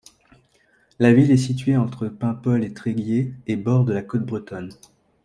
La ville est située entre Paimpol et Tréguier, et borde la côte bretonne.